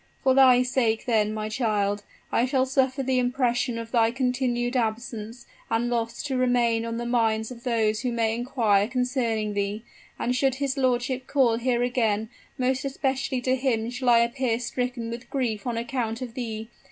For thy sake, then, my child, I shall suffer the impression of thy continued absence and loss to remain on the minds of those who may inquire concerning thee; and should his lordship call here again, most especially to him shall I appear stricken with grief on account of thee.